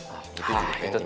ah itu tuh